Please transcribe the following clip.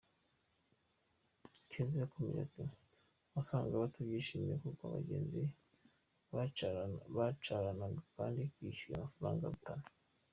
Keza yakomeje ati “Wasangaga batabyishimiye kuko abagenzi bicaranaga kandi bishyuye amafaranga arutana.